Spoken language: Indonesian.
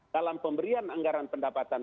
dalam pemberian anggaran pendapatan